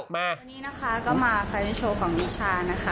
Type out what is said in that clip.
วันนี้นะคะก็มาไฟนิสโชว์ของนิชานะคะ